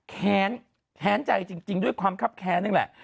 แค้นแค้นใจจริงด้วยความคับแค้นนี่แหละ